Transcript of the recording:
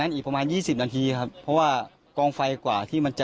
อีกประมาณ๒๐นาทีครับเพราะว่ากองไฟกว่าที่มันจะ